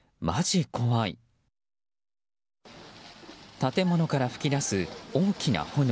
建物から噴き出す大きな炎。